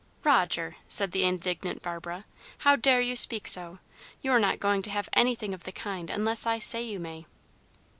"Roger," said the indignant Barbara, "how dare you speak so? You're not going to have anything of the kind unless I say you may."